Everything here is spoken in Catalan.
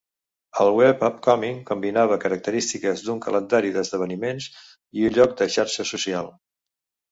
El web Upcoming combinava característiques d'un calendari d'esdeveniments i un lloc de xarxa social.